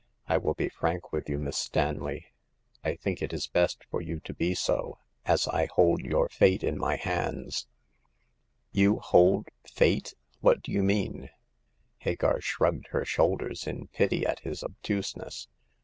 I will be frank with you, Miss Stanley." " I think it is best for you to be so, as I hold your fate in my hands." 144 Hagar of the Pawn Shop. " You hold— fate ! What do you mean ?" Hagar shrugged her shoulders in pity at his obtuseness.